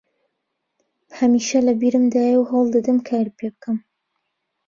هەمیشە لە بیرمدایە و هەوڵ دەدەم کاری پێ بکەم